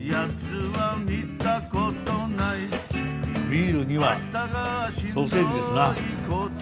ビールにはソーセージですな。